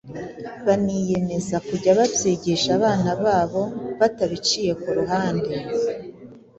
baniyemeza kujya babyigisha abana babo batabiciye ku ruhande.